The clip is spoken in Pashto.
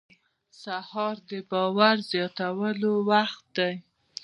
سهار د باور زیاتولو وخت دی.